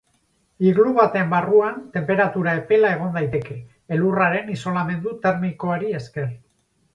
Iglu baten barruan tenperatura epela egon daiteke, elurraren isolamendu termikoari esker.